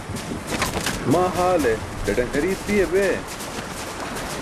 Maa haale ḍaḍaṅ hariip biya bee?